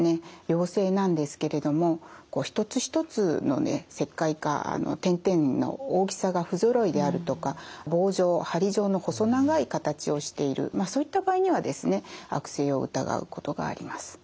良性なんですけれども一つ一つの石灰化点々の大きさが不ぞろいであるとか棒状・針状の細長い形をしているそういった場合にはですね悪性を疑うことがあります。